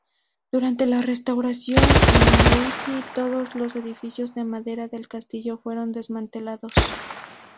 Durante la Restauración Meiji todos los edificios de madera del castillo fueron desmantelados.